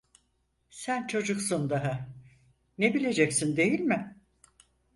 Sen çocuksun daha, ne bileceksin değil mi?